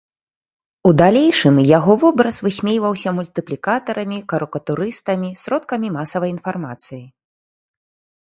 У далейшым яго вобраз высмейваўся мультыплікатарамі, карыкатурыстамі, сродкамі масавай інфармацыі.